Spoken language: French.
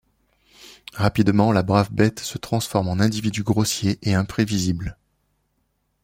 Rapidement la brave bête se transforme en individu grossier et imprévisible.